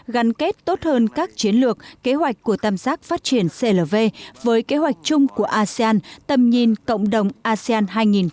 gắn kết tốt hơn các chiến lược kế hoạch của tam giác phát triển clv với kế hoạch chung của asean tầm nhìn cộng đồng asean hai nghìn hai mươi năm